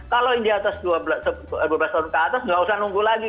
kalau yang di atas dua belas tahun ke atas nggak usah nunggu lagi